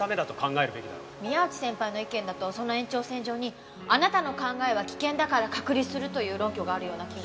宮内先輩の意見だとその延長線上にあなたの考えは危険だから隔離するという論拠があるような気が。